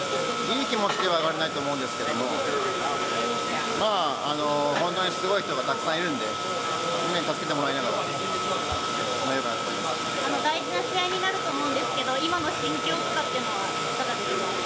いい気持ちでは上がれないと思うんですけど、まあ、あんなにすごい人がたくさんいるんで、みんなに助けてもらいながら、投げ大事な試合になると思うんですけど、今の心境とかっていうのはいかがですか？